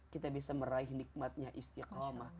kita bisa meraih nikmatnya istiqomah